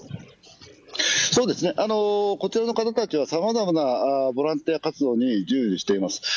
こちらの方たちは、さまざまなボランティア活動に従事しています。